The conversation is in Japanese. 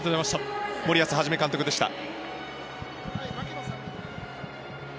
森保一監督でした。